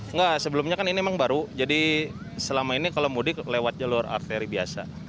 enggak sebelumnya kan ini memang baru jadi selama ini kalau mudik lewat jalur arteri biasa